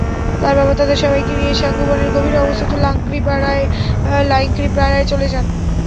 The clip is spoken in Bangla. তার বাবা তাদের সবাইকে নিয়ে সাঙ্গু বনের গভীরে অবস্থিত লাইক্রিপাড়ায় চলে যান।